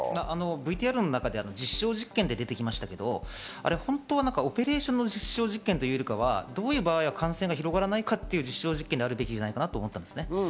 ＶＴＲの中で実証実験って出てきましたけど、本当はオペレーションの実証実験というよりはどういう場合、感染が広がらないかという実証実験であるべきじゃないかと思いました。